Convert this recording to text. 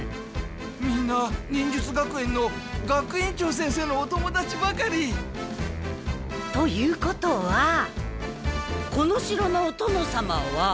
みんな忍術学園の学園長先生のお友だちばかり。ということはこの城のお殿様は。